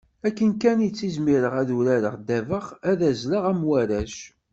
Akken kan i ttizmireɣ ad urareɣ ddabex, ad azleɣ am warrac.